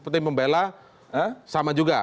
tim pembela sama juga